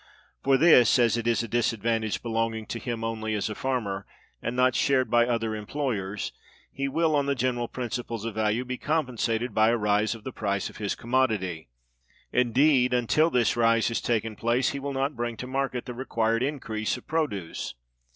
For this, as it is a disadvantage belonging to him only as a farmer, and not shared by other employers, he will, on the general principles of value, be compensated by a rise of the price of his commodity; indeed, until this rise has taken place, he will not bring to market the required increase of produce.